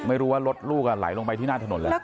ไม่รู้ว่ารถลูกไหลลงไปที่หน้าถนนแล้ว